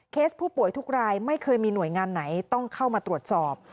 ผู้ป่วยทุกรายไม่เคยมีหน่วยงานไหนต้องเข้ามาตรวจสอบ